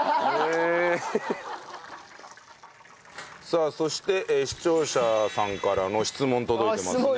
さあそして視聴者さんからの質問届いてますね。